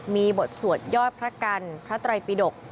มีบทสวดย่อยพระกัญภ์พระตรายปิดก